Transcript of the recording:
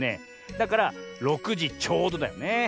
だから６じちょうどだよね。